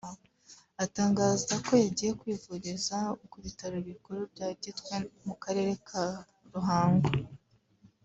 atangaza ko yagiye no kwivuriza ku Bitaro Bikuru bya Gitwe mu Karere ka Ruhango